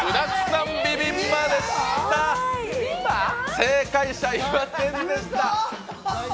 正解者、いませんでした。